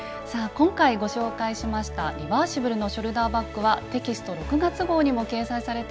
今回ご紹介しました「リバーシブルのショルダーバッグ」はテキスト６月号にも掲載されています。